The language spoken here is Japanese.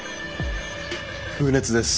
風熱です。